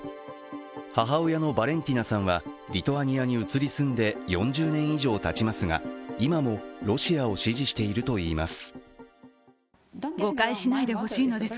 母親のバレンティナさんは、リトアニアに移り住んで４０年以上たちますが、今もロシアを支持しているといいます。